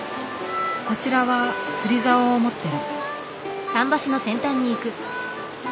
こちらは釣りざおを持ってる。